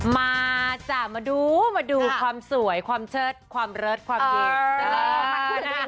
มาจ้ะมาดูมาดูความสวยความเชิดความเลิศความดี